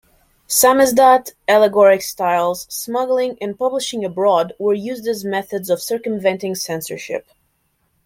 Samizdat, allegoric styles, smuggling, and publishing abroad were used as methods of circumventing censorship.